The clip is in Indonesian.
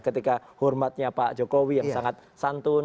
ketika hormatnya pak jokowi yang sangat santun